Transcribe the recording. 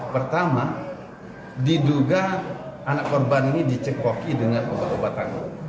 pertama diduga anak korban ini dicekoki dengan obat obatan